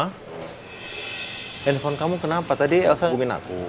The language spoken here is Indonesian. handphone kamu kenapa tadi elsa boomin aku